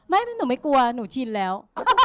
หนูไม่กลัวหนูชินแล้ว